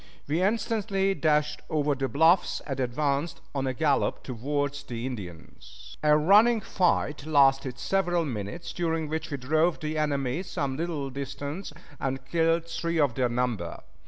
We instantly dashed over the bluffs, and advanced on a gallop toward the Indians. A running fight lasted several minutes, during which we drove the enemy some little distance and killed three of their number.